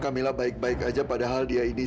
camillah baik baik aja padahal dia ini